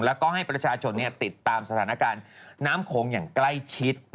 แล้วก็ให้ประชาชนติดตามสถานการณ์น้ำโขงอย่างใกล้ชิด